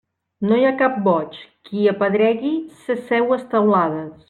No hi ha cap boig, qui apedregui ses seues teulades.